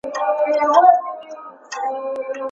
آیا ته کولای شې دا جمله پښتو کړې؟